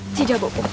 ada apa nyai